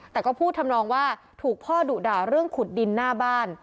แต่ก็พูดทำนองว่าถูกพ่อดุด่าเรื่องขุดดินหน้าบ้าน